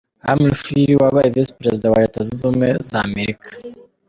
Humphrey, wabaye Visi Perezida wa Leta Zunze Ubumzwe z’Amerika.